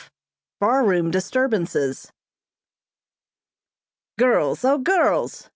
BAR ROOM DISTURBANCES. "Girls, O girls!"